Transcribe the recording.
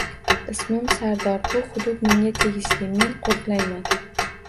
Ismim Sardor, bu hudud menga tegishli, men qo`riqlayman